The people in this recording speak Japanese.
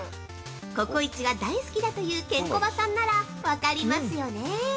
ココイチが大好きだというケンコバさんなら分かりますよね？